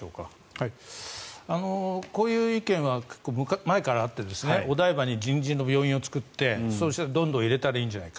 こういう意見は前からあってお台場に臨時の病院を作ってどんどん入れたらいいんじゃないか。